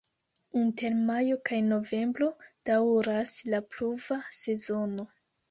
Inter majo kaj novembro daŭras la pluva sezono.